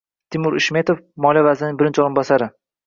Timur Ishmetov, Moliya vazirining birinchi o'rinbosari: